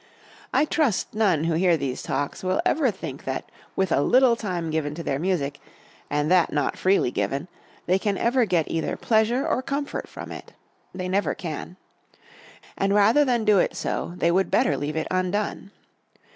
I trust none who hear these Talks will ever think that with a little time given to their music, and that not freely given, they can ever get either pleasure or comfort from it. They never can. And rather than do it so they would better leave it undone.